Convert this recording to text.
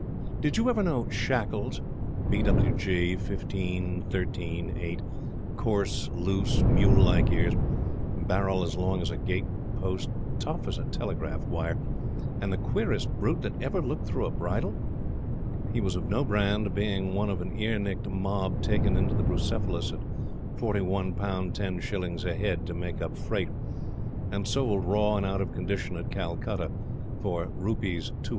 Did you ever know Shackles b. w. g., 15.13.8 coarse, loose, mule like ears barrel as long as a gate post tough as a telegraph wire and the queerest brute that ever looked through a bridle? He was of no brand, being one of an ear nicked mob taken into the Bucephalus at 4l. 10s. a head to make up freight, and sold raw and out of condition at Calcutta for Rs. 275.